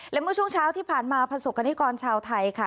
และเมื่อช่วงเช้าที่ผ่านมาประสบกรณิกรชาวไทยค่ะ